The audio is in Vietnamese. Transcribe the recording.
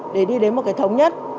để đi đến một cái thống nhất